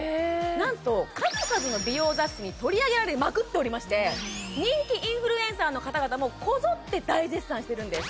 何と数々の美容雑誌に取り上げられまくっておりまして人気インフルエンサーの方々もこぞって大絶賛してるんです